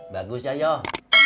bagus ya yoh